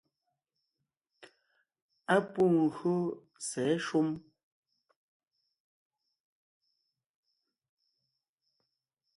Á pû gÿô sɛ̌ shúm.